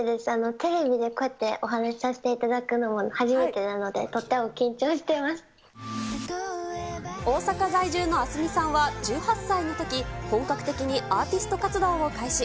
テレビでこうやってお話させていただくのも初めてなので、とって大阪在住のアスミさんは、１８歳のとき、本格的にアーティスト活動を開始。